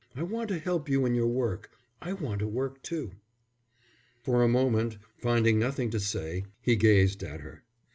I want to help you in your work. I want to work too." For a moment, finding nothing to say, he gazed at her.